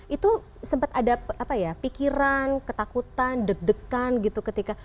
itu sempat ada pikiran ketakutan deg degan gitu ketika